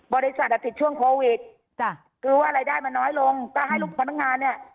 บริษัทอ่ะติดช่วงโควิดจ้ะคือว่ารายได้มันน้อยลงก็ให้ลูกพนักงานเนี่ย